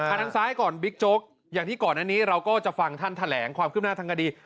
อันนั้นซ้ายก่อนบิ๊กโจ๊กอย่างที่ก่อนอันนี้เราก็จะฟังท่านแถลงความคืบหน้าทางคดี